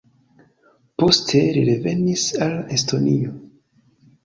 Poste li revenis al Estonio.